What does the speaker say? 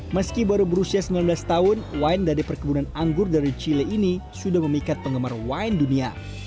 meski baru berusia sembilan belas tahun wine dari perkebunan anggur dari chile ini sudah memikat penggemar wine dunia